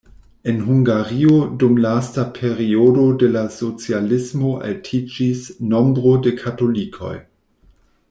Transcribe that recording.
En Hungario dum lasta periodo de la socialismo altiĝis nombro de katolikoj.